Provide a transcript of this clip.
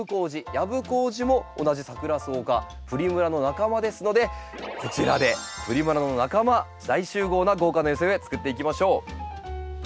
ヤブコウジも同じサクラソウ科プリムラの仲間ですのでこちらでプリムラの仲間大集合な豪華な寄せ植えつくっていきましょう。